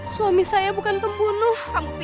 suami saya bukan pembunuh